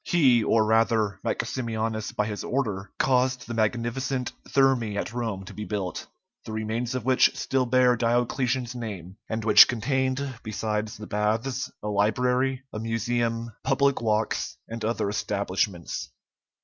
He, or rather Maximianus by his order, caused the magnificent Thermæ at Rome to be built, the remains of which still bear Diocletian's name, and which contained, besides the baths, a library, a museum, public walks, and other establishments.